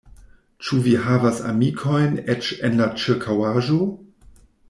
Ĉu vi havas amikojn eĉ en la ĉirkaŭaĵo?